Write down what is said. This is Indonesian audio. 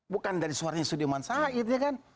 bukan dari suaranya sudirman said ya kan